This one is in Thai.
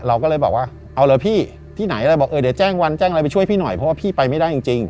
เราก็เลยบอกว่าเอาเหรอพี่ที่ไหนอะไรบอกเออเดี๋ยวแจ้งวันแจ้งอะไรไปช่วยพี่หน่อยเพราะว่าพี่ไปไม่ได้จริง